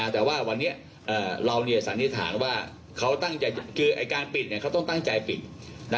แต่ว่าวันนี้เราสันนิษฐานว่าเขาตั้งใจคือการปิดเขาต้องตั้งใจปิด